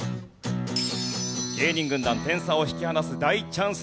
芸人軍団点差を引き離す大チャンスです。